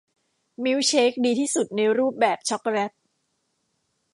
มิลค์เชคดีที่สุดในรูปแบบช็อกโกแลต